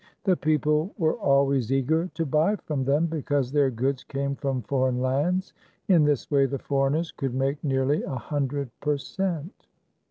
The peo ple were always eager to buy from them, because their goods came from foreign lan$s. In this way, the foreigners could make nearly a hun dred per cent.